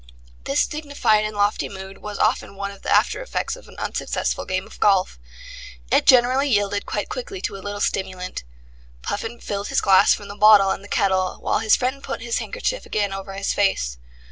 This dignified and lofty mood was often one of the aftereffects of an unsuccessful game of golf. It generally yielded quite quickly to a little stimulant. Puffin filled his glass from the bottle and the kettle, while his friend put his handkerchief again over his face.